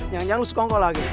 jangan jangan lo skonko lagi